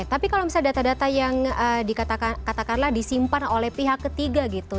tapi kalau misalnya data data yang dikatakan katakanlah disimpan oleh pihak ketiga gitu